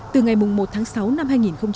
từ ngày một tháng sáu năm hai nghìn một mươi bảy